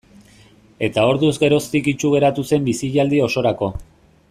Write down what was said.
Eta orduz geroztik itsu geratu zen bizialdi osorako.